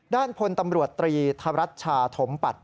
ด้านพลตำรวจตรีธรัชชาถมปัตย